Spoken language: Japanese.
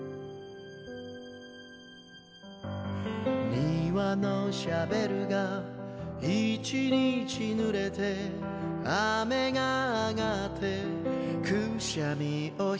「にわのシャベルが一日ぬれて」「雨があがってくしゃみをひとつ」